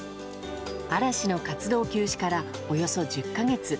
嵐の活動休止からおよそ１０か月。